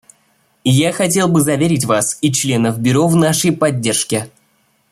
Я хотел бы заверить Вас и членов Бюро в нашей поддержке.